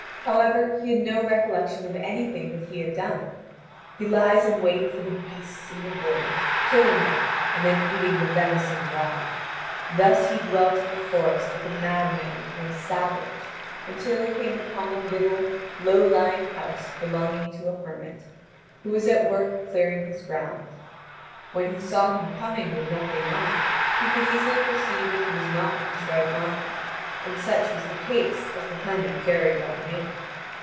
However, he had no recollection of anything that he had done. He lies in wait for the beasts in the woods, killing them, and then eating the venison raw. Thus he dwelt in the forest like a madman or a savage, until he came upon a little, low lying house belonging to a hermit, who was at work clearing his ground. When he saw him coming with nothing on, he could easily perceive that he was not in his right mind; and such was the case, as the hermit very well knew.